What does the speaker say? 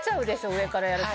上からやると。